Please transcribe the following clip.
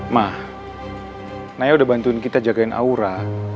mah naya udah bantuin kita jagain aura